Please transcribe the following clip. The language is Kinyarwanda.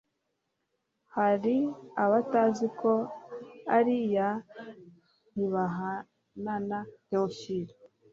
Hari abatazi ko ari iya Ntibahanana Theophlie.